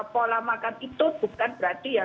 pola makan itu bukan berarti ya